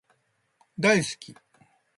大好き